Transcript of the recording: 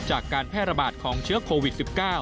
จากการแพร่ระบาดของเชื้อโควิด๑๙